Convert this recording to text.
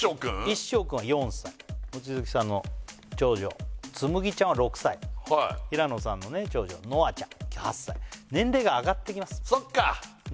いっしょうくんは４歳望月さんの長女つむぎちゃんは６歳平野さんのね長女のあちゃん８歳年齢が上がってきます